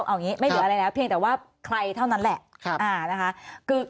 เอาอย่างนี้ไม่เหลืออะไรแล้วเพียงแต่ว่าใครเท่านั้นแหละนะคะ